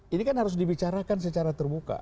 ini kan harus dibicarakan secara terbuka